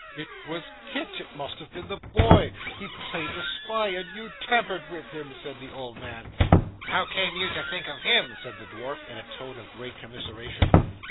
'It was Kit, it must have been the boy; he played the spy, and you tampered with him?' said the old man. 'How came you to think of him?' said the dwarf in a tone of great commiseration.